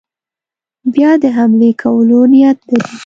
بیا د حملې کولو نیت لري.